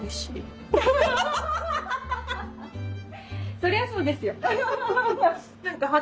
そりゃそうですよ。